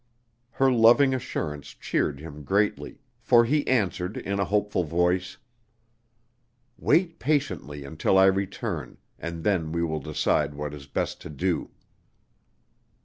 Her loving assurance cheered him greatly, for he answered in a hopeful voice: "Wait patiently until I return, and then we will decide what is best to do."